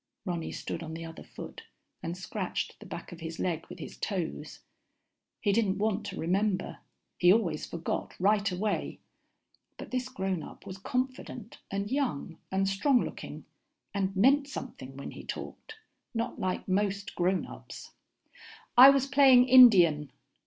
_ Ronny stood on the other foot and scratched the back of his leg with his toes. He didn't want to remember. He always forgot right away, but this grownup was confident and young and strong looking, and meant something when he talked, not like most grownups. "I was playing Indian."